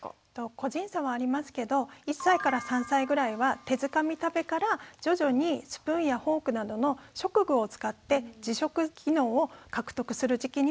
個人差はありますけど１３歳ぐらいは手づかみ食べから徐々にスプーンやフォークなどの食具を使って自食機能を獲得する時期にもなります。